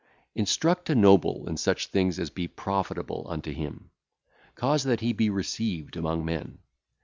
Instruct a noble in such things as be profitable unto him; cause that he be received among men.